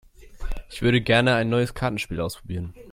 Ich würde gerne ein neues Kartenspiel ausprobieren.